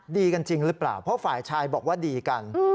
ดีกันจริงหรือเปล่าเพราะฝ่ายชายบอกว่าดีกัน